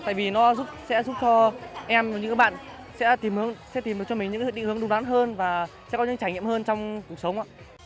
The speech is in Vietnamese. tại vì nó sẽ giúp cho em như các bạn sẽ tìm được cho mình những định hướng đúng đắn hơn và sẽ có những trải nghiệm hơn trong cuộc sống ạ